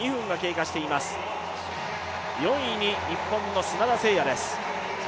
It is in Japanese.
４位に日本の砂田晟弥です。